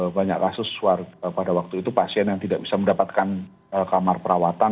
banyak kasus pada waktu itu pasien yang tidak bisa mendapatkan kamar perawatan